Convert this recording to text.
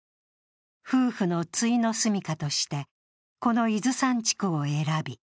夫婦のついの住みかとしてこの伊豆山地区を選び